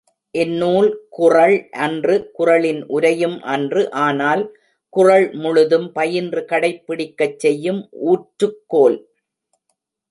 இந் நூல் குறள் அன்று குறளின் உரையும் அன்று ஆனால், குறள் முழுதும் பயின்று கடைப்பிடிக்கச் செய்யும் ஊற்றுக்கோல்!